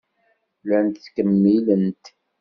Llant ttkemmilent.